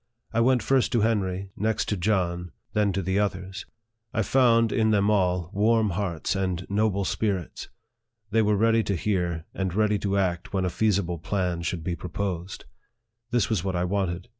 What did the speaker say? I went first to Henry, next to John, then to the others. I found, in them all, warm hearts and noble spirits. They were ready to hear, and ready to act when a feasible plan should be proposed. This was what I wanted.